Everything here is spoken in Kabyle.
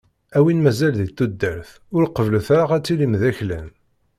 A wid mazal di tudert, ur qebblet ara ad tilim d aklan.